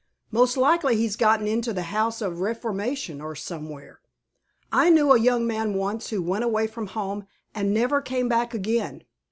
Most likely he's got into the House of Reformation, or somewhere. I knew a young man once who went away from home, and never came back again.